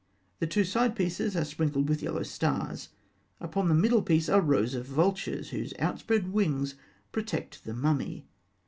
The two side pieces are sprinkled with yellow stars. Upon the middle piece are rows of vultures, whose outspread wings protect the mummy.